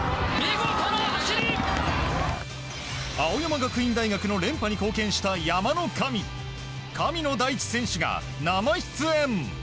青山学院大学の連覇に貢献した山の神神野大地選手が生出演。